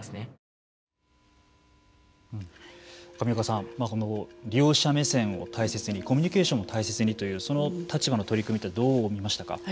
上岡さん、この利用者目線を大切にコミュニケーションを大切にというその立場の取り組みはどう見ましたか。